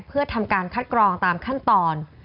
เพื่อทำการคัดกรองตามขั้นตอน